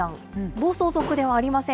暴走族ではありません。